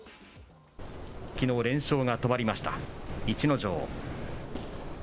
きのう連勝が止まりました逸ノ城。